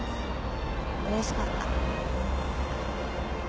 うれしかった。